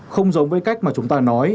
không giống với cách mà chúng ta nói